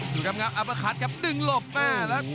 ดูครับนะอัปเปอร์คัทครับดึงหลบมา